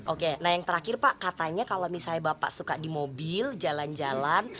oke nah yang terakhir pak katanya kalau misalnya bapak suka di mobil jalan jalan